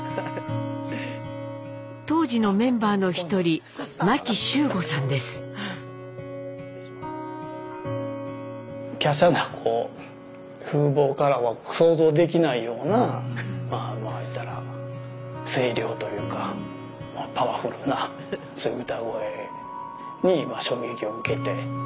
当時のメンバーの一人華奢な風貌からは想像できないようなまあまあ言うたら声量というかパワフルな歌声に衝撃を受けて。